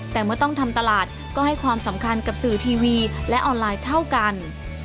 แต่เมื่อต้องทำตลาดก็ให้ความสำคัญกับสื่อทีวีและออนไลน์เท่ากัน